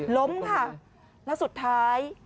ล้มค่ะแล้วสุดท้าย